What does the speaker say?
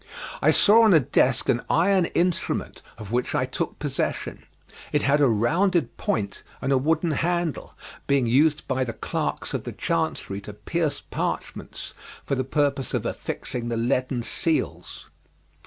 I saw on a desk an iron instrument, of which I took possession; it had a rounded point and a wooden handle, being used by the clerks of the chancery to pierce parchments for the purpose of affixing the leaden seals.